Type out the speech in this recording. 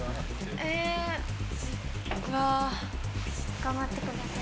えーうわあ。頑張ってください。